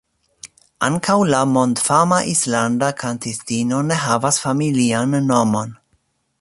Ankaŭ la mondfama islanda kantistino ne havas familian nomon.